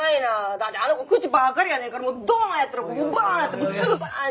だってあの子口ばっかりやねんからドーンやったらバーンやってすぐバーンって。